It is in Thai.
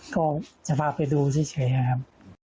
ก็จะพาไปดูเฉยครับ